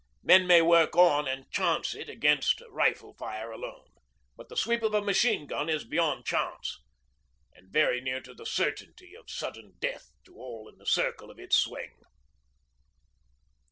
Men may work on and 'chance it' against rifle fire alone, but the sweep of a machine gun is beyond chance, and very near to the certainty of sudden death to all in the circle of its swing.